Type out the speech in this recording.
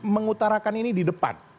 mengutarakan ini di depan